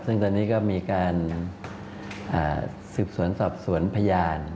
ซึ่งตอนนี้ก็มีการสืบสวนสอบสวนพยาน